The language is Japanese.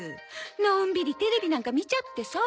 のんびりテレビなんか見ちゃってさ。